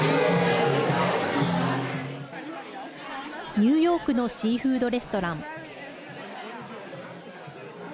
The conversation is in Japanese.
ニューヨークのシーフードレストラン。